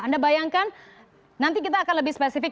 anda bayangkan nanti kita akan lebih spesifik